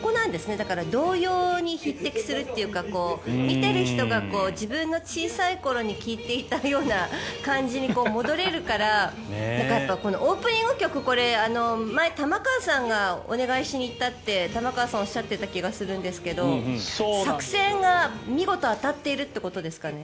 だから、童謡に匹敵するというか見ている人が自分の小さい頃に聴いていたような感じに戻れるからオープニング曲はこれ、前玉川さんがお願いしに行ったって玉川さんがおっしゃっていた気がするんですけど作戦が見事、当たっているということですかね。